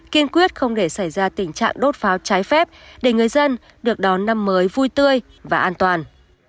kiên quyết không để xảy ra tình trạng đốt pháo trái phép để người dân được đón năm mới vui tươi và an toàn